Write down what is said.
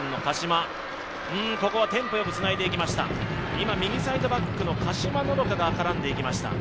今、右サイドバックの加島希夏が絡んでいきました。